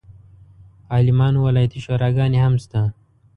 عالمانو ولایتي شوراګانې هم شته.